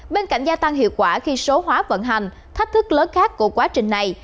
bên cạnh gia tăng hiệu quả khi số hóa vận hành thách thức lớn khác của quá trình này